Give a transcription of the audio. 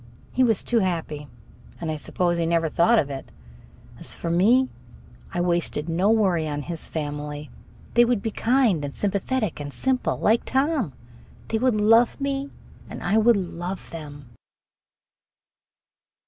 He was too happy, and I suppose he never thought of it. As for me, I wasted no worry on his family. They would be kind and sympathetic and simple, like Tom. They would love me and I would love them.